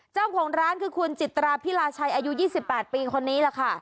เจ้าของร้านคือคุณจิตราพิลาชัยอายุ๒๘ปีคนนี้แหละค่ะ